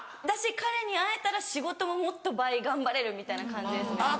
だし彼に会えたら仕事ももっと倍頑張れるみたいな感じですね。